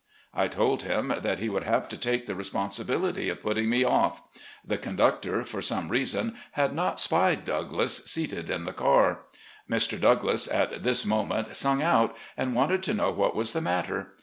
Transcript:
I told him that he would have to take the respon sibility of putting me off. The conductor, for some reason, had not spied Douglass, seated in the car. Mr. Douglass at this moment sung out, and wanted to know what was the matter.